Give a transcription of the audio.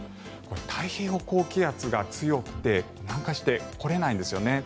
太平洋高気圧が強くて南下してこれないんですよね。